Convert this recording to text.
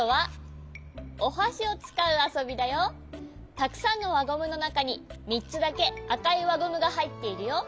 たくさんのわゴムのなかに３つだけあかいわゴムがはいっているよ。